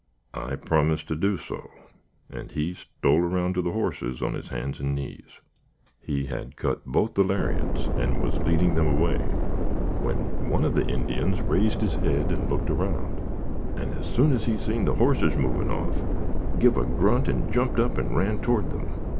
I promised to do so, and he stole around to the hosses on his hands and knees. He had cut both the lariats and was leading them away, when one of the Indians raised his head and looked around, and as soon as he seen the hosses moving off, give a grunt and jumped up and ran toward them.